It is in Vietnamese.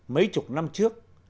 mấy chục năm trước